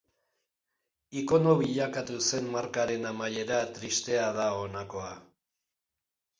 Ikono bilakatu zen markaren amaiera tristea da honakoa.